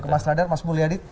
mas radar mas mulyadi